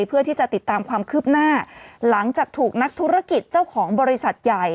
เพื่อที่จะติดตามความคืบหน้าหลังจากถูกนักธุรกิจเจ้าของบริษัทใหญ่